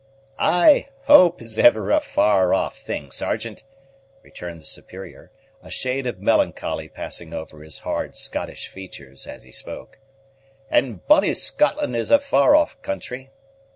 "Ay, hope is ever a far off thing, Sergeant," returned the superior, a shade of melancholy passing over his hard Scottish features as he spoke; "and bonnie Scotland is a far off country.